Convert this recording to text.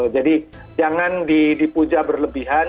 jadi jangan dipuja berlebihan